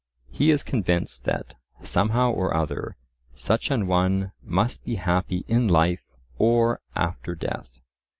He is convinced that, somehow or other, such an one must be happy in life or after death.